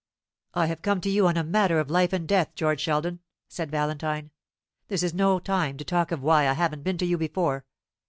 "I have come to you on a matter of life and death, George Sheldon," said Valentine; "this is no time to talk of why I haven't been to you before.